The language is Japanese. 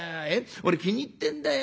俺気に入ってんだよ。